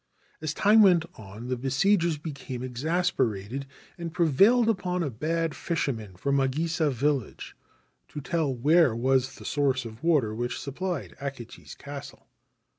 As time went on, the besiegers became exasperated, and prevailed upon a bad fisherman from Magisa village to tell where was the source of water which supplied Akechi's castle.